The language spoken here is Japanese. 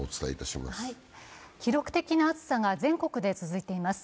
記録的な暑さが全国で続いています。